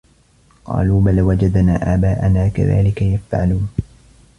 قالوا بَل وَجَدنا آباءَنا كَذلِكَ يَفعَلونَ